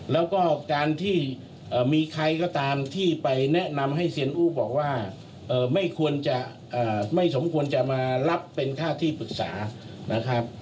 แล้วก็การที่มีใครก็ตามที่ไปแนะนำให้เซียนอู้บอกว่าไม่ควรจะไม่สมควรจะมารับเป็นค่าที่ปรึกษานะครับ